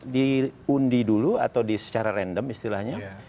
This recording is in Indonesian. diundi dulu atau secara rendah